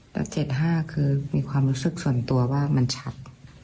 แต่๗๕คือมีความรู้สึกส่วนตัวว่ามันชัด